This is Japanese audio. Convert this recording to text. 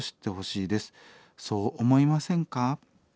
そう思いませんか？」。